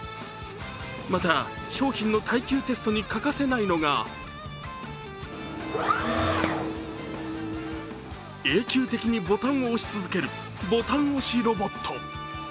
また、商品の耐久テストに欠かせないのが永久的にボタンを押し続けるボタン押しロボット。